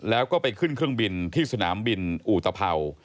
แล้วก็ไปขึ้นเครื่องบินที่สนามบินอุตภัวร์